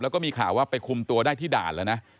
แล้วก็มีข่าวว่าไปคุมตัวได้ที่ด่านแล้วนะ